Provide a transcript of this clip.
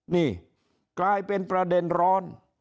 นี่กลายเป็นประเด็นร้อน